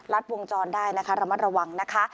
ดวงจรได้นะคะระมัดระวังนะคะ